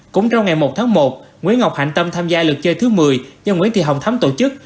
cũng trong ngày một tháng một nguyễn ngọc hạnh tâm tham gia lượt chơi thứ một mươi do nguyễn thị hồng thấm tổ chức